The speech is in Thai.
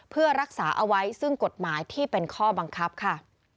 เพื่อรักษาเอาไว้ซึ่งกฎหมายที่เป็นข้อบังคับค่ะ